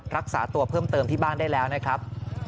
รักษาตัวเพิ่มเติมที่บ้านได้แล้วนะครับ